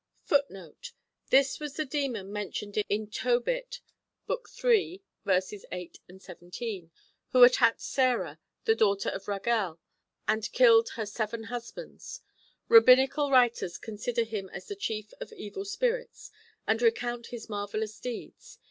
[Footnote: This was the demon mentioned in Tobit iii. 8, 17, who attacked Sarah, the daughter of Raguel, and killed her seven husbands. Rabbinical writers consider him as the chief of evil spirits, and recount his marvellous deeds.